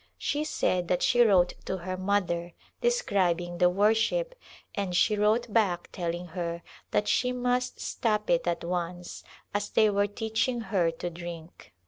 She said that she wrote to her mother, describing the worship, and she wrote back telling her that she must stop it at once, as they were teaching her to drink.